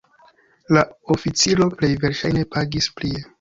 La oficiro plej verŝajne pagis plie.